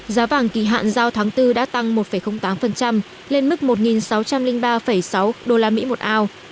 giá vàng kỳ hạn giao tháng bốn đã tăng một tám lên mức một sáu trăm linh ba sáu usd một ao